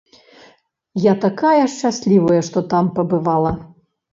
Я такая шчаслівая, што там пабывала!